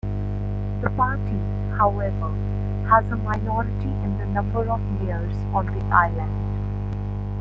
The party, however, has a minority in the number of mayors on the island.